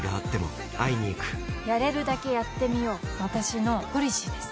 やれるだけやってみよう私のポリシーです